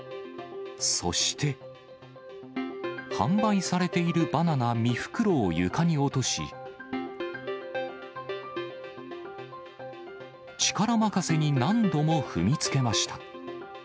そして、販売されているバナナ３袋を床に落とし、力任せに何度も踏みつけました。